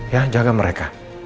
ya jaga mereka